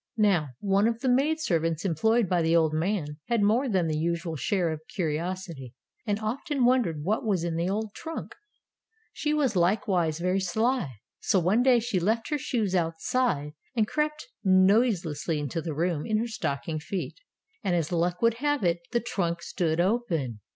Now, one of the maid servants employed by the old man had more than the usual share of curiosity, and often wondered what was in the old trunk. She was likewise very sly, so one day she left her shoes outside, and crept noiselessly into the room in her stocking feet. And as luck would i 62 Tales of Modern Germany have it, the trunk stood open.